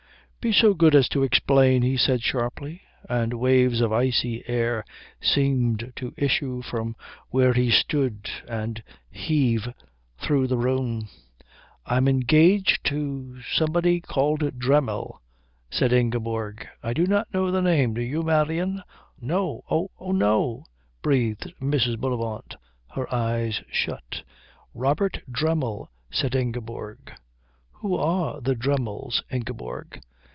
"Be so good as to explain," he said sharply, and waves of icy air seemed to issue from where he stood and heave through the room. "I'm engaged to to somebody called Dremmel," said Ingeborg. "I do not know the name. Do you, Marion?" "No, oh, no," breathed Mrs. Bullivant, her eyes shut. "Robert Dremmel," said Ingeborg. "Who are the Dremmels, Ingeborg?"